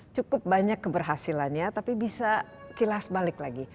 cukup banyak keberhasilannya tapi bisa kilas balik lagi